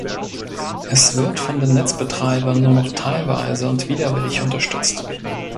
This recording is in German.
Es wird von den Netzbetreibern nur noch teilweise und widerwillig unterstützt.